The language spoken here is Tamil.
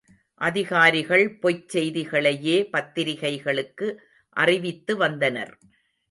அதிகாரிகள் பொய்ச் செய்திகளையே பத்திரிகைகளுக்கு அறிவித்து வந்தனர்.